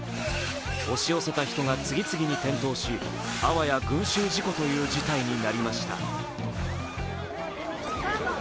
押し寄せた人が次々に転倒しあわや群集事故という事態になりました。